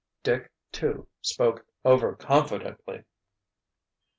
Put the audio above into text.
Dick, too, spoke overconfidently.